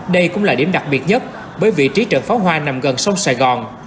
đây cũng là điểm đặc biệt nhất bởi vị trí trận pháo hoa nằm gần sông sài gòn